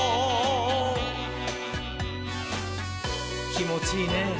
きもちいいねぇ。